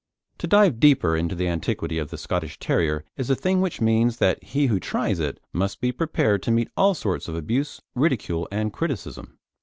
To dive deeper into the antiquity of the Scottish Terrier is a thing which means that he who tries it must be prepared to meet all sorts of abuse, ridicule, and criticism.